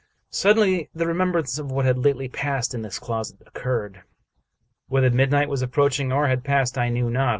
Suddenly the remembrance of what had lately passed in this closet occurred. Whether midnight was approaching, or had passed, I knew not.